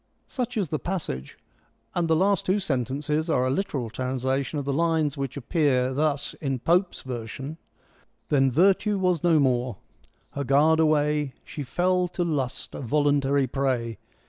Such is the passage, and the last two sentences are a literal translation of the lines which appear thus in Pope's version : Then virtue was no more : her guard away, She fell, to lust a voluntary prey.